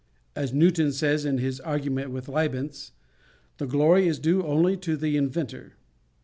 As Newton says in his argument with Leibnitz, "the glory is due only to the inventor."